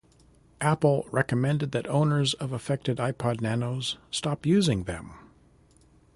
Apple recommended that owners of affected iPod Nanos stop using them.